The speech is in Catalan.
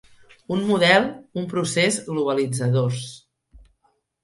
Un model, un procés globalitzadors.